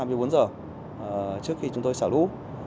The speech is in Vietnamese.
trước khi chúng tôi xả lũ